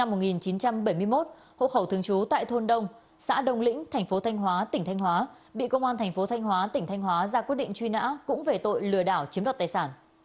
và đối tượng lê thị thủy sinh năm một nghìn chín trăm bảy mươi một hộ khẩu thường chú tại thôn đông xã đồng lĩnh thành phố thanh hóa tỉnh thanh hóa bị công an thành phố thanh hóa tỉnh thanh hóa ra quyết định truy nã cũng về tội lừa đảo chiếm đoạt tài sản